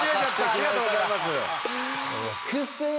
ありがとうございます。